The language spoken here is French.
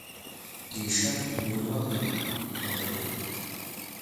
Il échappe aux mots noirs de l’ombre. On aurait beau